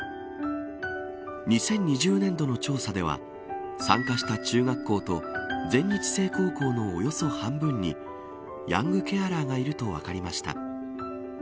２０２０年度の調査では参加した中学校と全日制高校のおよそ半分にヤングケアラーがいると分かりました。